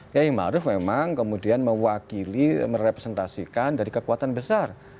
kiai ma'rup memang kemudian mewakili merepresentasikan dari kekuatan besar